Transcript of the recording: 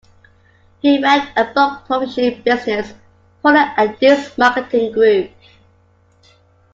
He ran a book publishing business, Fuller and Dees Marketing Group.